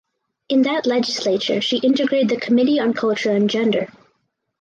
In that legislature she integrated the Committee on Culture and Gender.